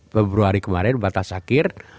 februari kemarin batas akhir